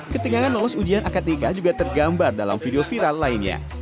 ketegangan lolos ujian akad nikah juga tergambar dalam video viral lainnya